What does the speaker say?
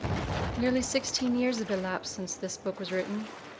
v) Nearly sixteen years have elapsed since this book was written.